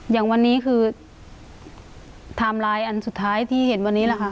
อย่างวันนี้คือไทม์ไลน์อันสุดท้ายที่เห็นวันนี้แหละค่ะ